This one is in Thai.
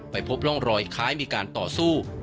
พบร่องรอยคล้ายมีการต่อสู้